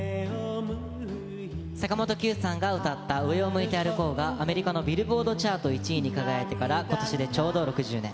坂本九さんが歌った上を向いて歩こうが、アメリカのビルボードチャート１位に輝いてからことしでちょうど６０年。